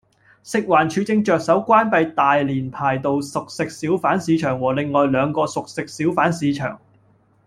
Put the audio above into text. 食環署正着手關閉大連排道熟食小販市場和另外兩個熟食小販市場